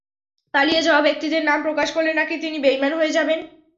পালিয়ে যাওয়া ব্যক্তিদের নাম প্রকাশ করলে নাকি তিনি বেইমান হয়ে যাবেন।